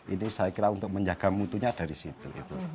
ini saya kira untuk menjaga mutunya dari situ